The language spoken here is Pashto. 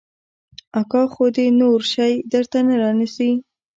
اکا خو دې نور شى درته نه رانيسي.